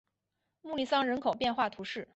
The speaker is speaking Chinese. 穆利桑人口变化图示